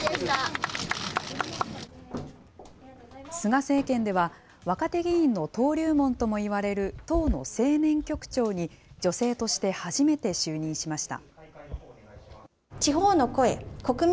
菅政権では、若手議員の登竜門ともいわれる党の青年局長に、女性として初めて就任しました。